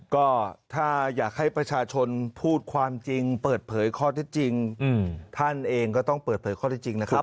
ก็ถ้าอยากให้ประชาชนพูดความจริงเปิดเผยข้อเท็จจริงท่านเองก็ต้องเปิดเผยข้อที่จริงนะครับ